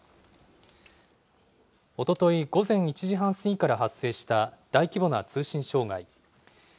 おととい午前１時半過ぎから発生した大規模な通信障害。